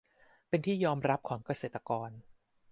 เป็นที่ยอมรับของเกษตรกร